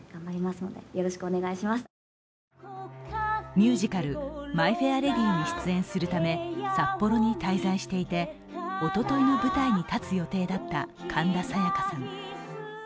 ミュージカル「マイ・フェア・レディ」に出演するため札幌に滞在していて、おとといの舞台に立つ予定だった神田沙也加さん。